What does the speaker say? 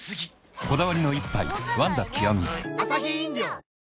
こだわりの一杯「ワンダ極」